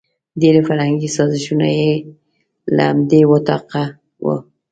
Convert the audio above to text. ډېري فرهنګي سازشونه یې له همدې وطاقه وو.